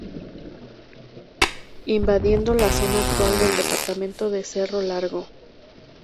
Invadiendo la zona actual del Departamento de Cerro Largo.